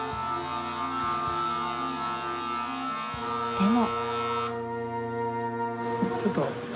でも。